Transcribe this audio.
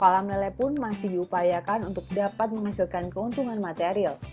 kolam lele pun masih diupayakan untuk dapat menghasilkan keuntungan material